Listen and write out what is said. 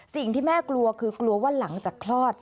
สิ่งที่แม่กลัวคือกลัวว่าหลังจากคลอด